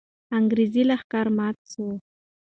انګریزي لښکر مات سو.